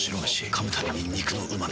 噛むたびに肉のうま味。